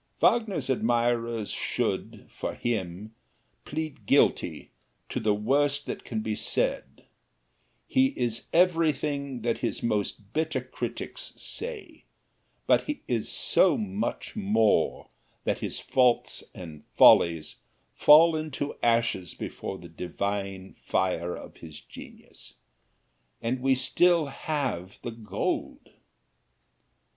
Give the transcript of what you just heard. Wagner's admirers should, for him, plead guilty to the worst that can be said: he is everything that his most bitter critics say, but he is so much more that his faults and follies sink into ashes before the divine fire of his genius, and we still have the gold.